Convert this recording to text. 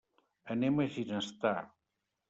Anem a Ginestar.